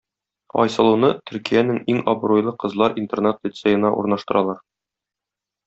Айсылуны Төркиянең иң абруйлы кызлар интернат-лицеена урнаштыралар.